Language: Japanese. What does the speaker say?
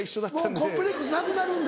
コンプレックスなくなるんだ。